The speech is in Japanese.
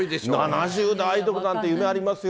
７０代でアイドルなんて、夢ありますよ。